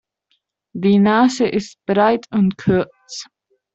Die Nase ist breit und kurz.